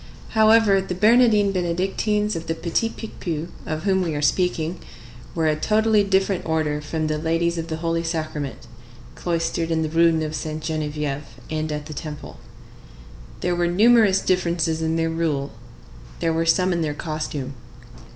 However, the Bernardines Benedictines of the Petit Picpus, of whom we are speaking, were a totally different order from the Ladies of the Holy Sacrament, cloistered in the Rue Neuve Sainte Geneviève and at the Temple. There were numerous differences in their rule; there were some in their costume.